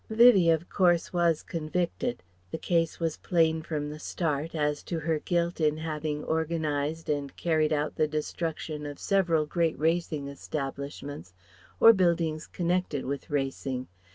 Vivie of course was convicted. The case was plain from the start, as to her guilt in having organized and carried out the destruction of several great Racing establishments or buildings connected with racing.